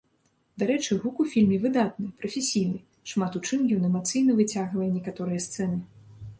Дарэчы, гук у фільме выдатны, прафесійны, шмат у чым ён эмацыйна выцягвае некаторыя сцэны.